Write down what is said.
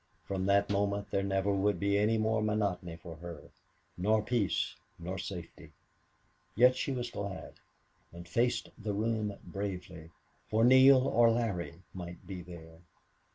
From that moment there never would be any more monotony for her nor peace nor safety. Yet she was glad, and faced the room bravely, for Neale or Larry might be there.